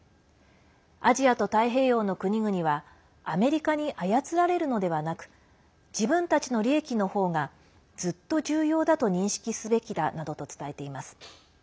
アジアと太平洋の国々はアメリカに操られるのではなく自分たちの利益の方がずっと重要だと認識すべきだなどと伝えています。